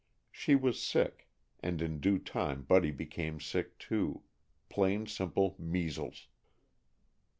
She was sick, and in due time Buddy became sick too plain, simple measles.